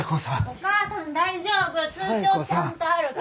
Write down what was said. お母さん大丈夫！通帳ちゃんとあるから。